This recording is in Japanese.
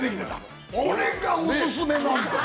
これがオススメなんだよ。